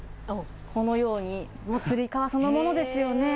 このように、つり革そのものですよね。